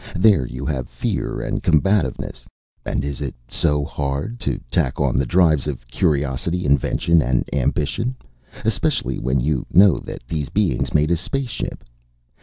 There you have fear and combativeness. And is it so hard to tack on the drives of curiosity, invention, and ambition, especially when you know that these beings made a spaceship?